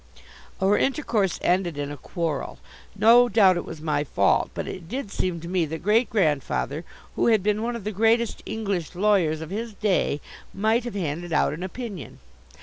Our intercourse ended in a quarrel. No doubt it was my fault. But it did seem to me that Great grandfather, who had been one of the greatest English lawyers of his day, might have handed out an opinion.